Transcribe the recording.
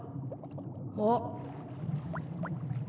あっ。